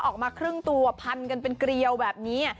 ออกมาครึ่งตัวพันกันเป็นเกลียวแบบนี้